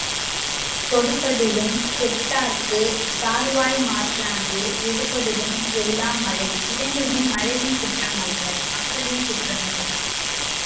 கெடுப்பதூஉம் கெட்டார்க்குச் சார்வாய்மற் றாங்கே எடுப்பதூஉம் எல்லாம் மழை இரண்டுமே மழையின் குற்றமல்ல மக்களின் குற்றமே!